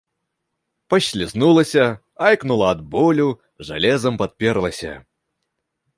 Паслізнулася, айкнула ад болю, жалезам падперлася.